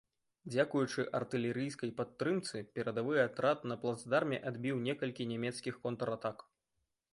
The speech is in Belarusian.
Дзякуючы артылерыйскай падтрымцы перадавы атрад на плацдарме адбіў некалькі нямецкіх контратак.